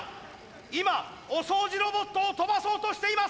今お掃除ロボットを跳ばそうとしています！